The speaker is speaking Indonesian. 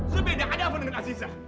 setiap hari ada apa dengan aziza